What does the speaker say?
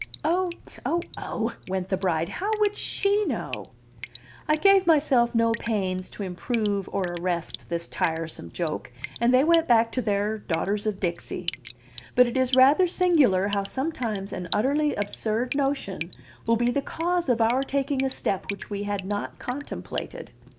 "Oh, oh, oh!" went the bride. "How would she know?" I gave myself no pains to improve or arrest this tiresome joke, and they went back to their Daughters of Dixie; but it is rather singular how sometimes an utterly absurd notion will be the cause of our taking a step which we had not contemplated.